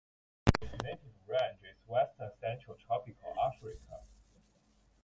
Its native range is western Central Tropical Africa.